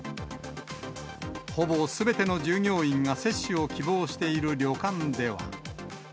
ほぼすべての従業員が接種を希望している旅館では。